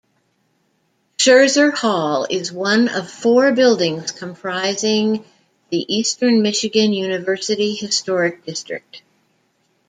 Sherzer Hall is one of four buildings comprising the Eastern Michigan University Historic District.